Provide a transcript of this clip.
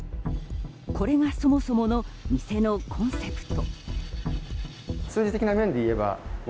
これがそもそもの店のコンセプト。